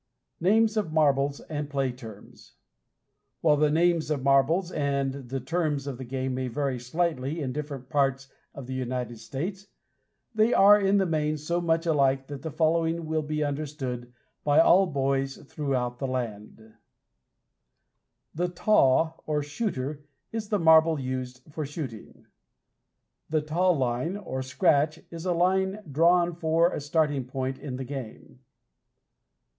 NAMES OF MARBLES AND PLAY TERMS While the names of marbles and the terms of the game may vary slightly in different parts of the United States, they are in the main so much alike that the following will be understood by all boys throughout the land: The Taw or Shooter is the marble used for shooting. The Taw Line, or Scratch, is a line drawn for a starting point in the game.